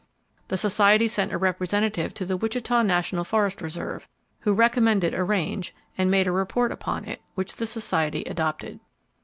The Society sent a representative to the Wichita National Forest Reserve, who recommended a range, and made a report upon it, which the Society adopted.